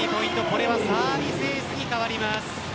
これはサービスエースに変わります。